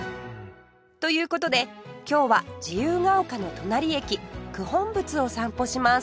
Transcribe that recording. という事で今日は自由が丘の隣駅九品仏を散歩します